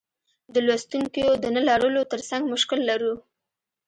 د لوستونکیو د نه لرلو ترڅنګ مشکل لرو.